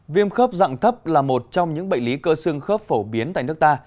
viêm khớp dạng thấp là một trong những bệnh lý cơ xương khớp phổ biến tại nước ta